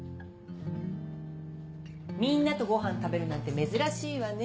みんなとごはん食べるなんて珍しいわね。